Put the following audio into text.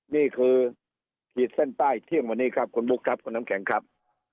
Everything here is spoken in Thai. นี่คือขีดเส้นใต้เที่ยงวันนี้ครับคุณบุ๊คครับคุณน้ำแข็งครับ